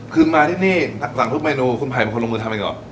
คือมาที่นี่สั่งทุกเมนูคุณไผ่เป็นคนลงมือทำเองเหรอ